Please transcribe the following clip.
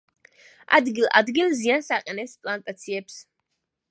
ადგილ-ადგილ ზიანს აყენებს პლანტაციებს.